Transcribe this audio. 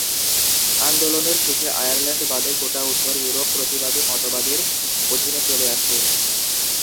আন্দোলনের শেষে আয়ারল্যান্ড বাদে গোটা উত্তর ইউরোপ প্রতিবাদী মতবাদের অধীনে চলে আসে।